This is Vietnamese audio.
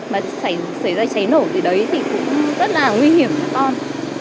mà xảy ra cháy nổ thì đấy thì cũng rất là nguy hiểm cho con